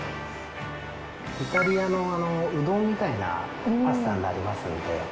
イタリアのうどんみたいなパスタになりますんで。